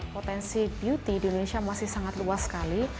potensi beauty di indonesia masih sangat luas sekali